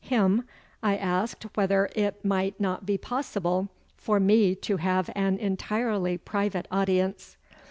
Him I asked whether it might not be possible for me to have an entirely private audience.